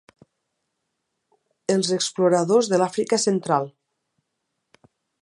Els exploradors de l'Àfrica central.